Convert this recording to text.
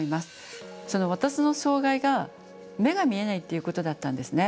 私の障害が目が見えないっていうことだったんですね。